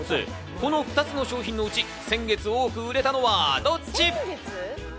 この２つの商品のうち、先月、多く売れたのはどっち？